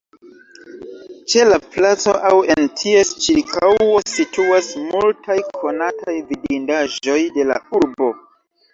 Ĉe la placo aŭ en ties ĉirkaŭo situas multaj konataj vidindaĵoj de la urbo.